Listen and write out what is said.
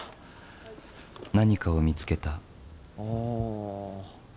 何かを見つけた。